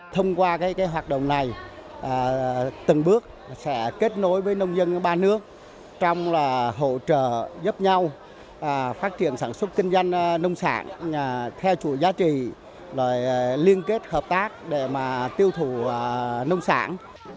thông qua hoạt động này từng bước sẽ kết nối với nông dân ba nước trong hỗ trợ giúp nhau phát triển sản xuất kinh doanh nông sản theo chủ giá trị liên kết hợp tác để tiêu thụ nông sản